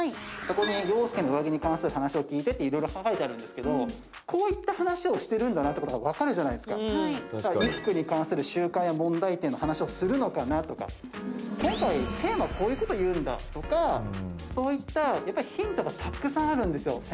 そこにヨウスケの上着に関する話を聞いてっていろいろ書かれてあるんですけどこういった話をしてるんだなってことが分かるじゃないですか衣服に関する習慣や問題点の話をするのかなとか今回テーマこういうこと言うんだとかそういったヒントがたくさんあるんですよ